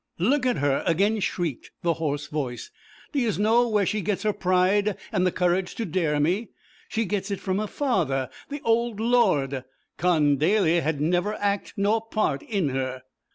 'Look at her,' again shrieked the hoarse voice. 'D'yez know where she gets her pride and the courage to dare me? She gets it from her father, th' ould lord. Con Daly had never act nor part in her.'